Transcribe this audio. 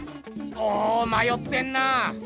おおまよってんな。